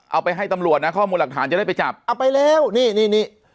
เอาไปให้ตำรวจนะข้อมูลหลักฐานจะได้ไปจับเอาไปแล้วนี่นี่นี่